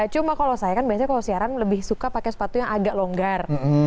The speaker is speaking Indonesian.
cuma kalau saya kan biasanya kalau siaran lebih suka pakai sepatu yang agak longgar